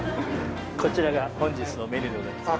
こちらが本日のメニューでございます。